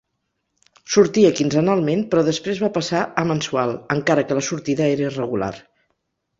Sortia quinzenalment, però després va passar a mensual, encara que la sortida era irregular.